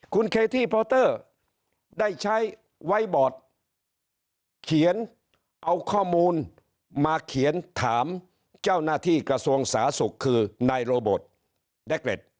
คุณเคธีพอเตอร์ได้ใช้ไวบอร์ดเขียนเอาข้อมูลมาเขียนถามเจ้าหน้าที่กระทรวงสาธุคือในโรบด